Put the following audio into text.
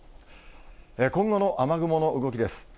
今後の雨雲の動きです。